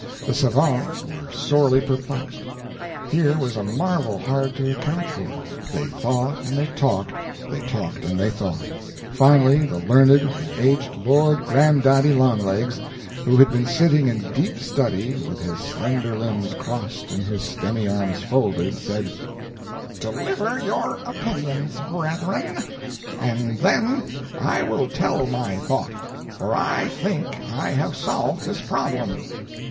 The savants were sorely perplexed. Here was a marvel hard to account for. They thought and they talked, they talked and they thought. Finally the learned and aged Lord Grand Daddy Longlegs, who had been sitting in deep study, with his slender limbs crossed and his stemmy arms folded, said: "Deliver your opinions, brethren, and then I will tell my thought for I think I have solved this problem."